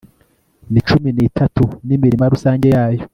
ni cumi n'itatu n'imirima rusange yayo